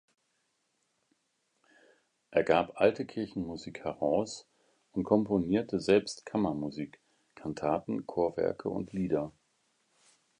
Er gab alte Kirchenmusik heraus und komponierte selbst Kammermusik, Kantaten, Chorwerke und Lieder.